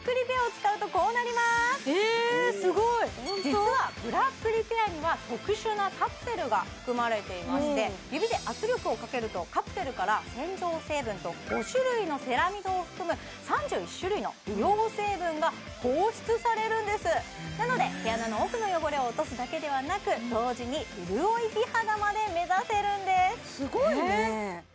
実はブラックリペアには特殊なカプセルが含まれていまして指で圧力をかけるとカプセルから洗浄成分と５種類のセラミドを含む３１種類の美容成分が放出されるんですなので毛穴の奥の汚れを落とすだけではなく同時に潤い美肌まで目指せるんですすごいね！